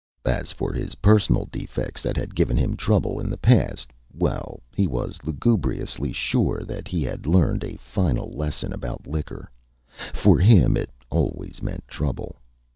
As for his personal defects that had given him trouble in the past well he was lugubriously sure that he had learned a final lesson about liquor. For him it always meant trouble.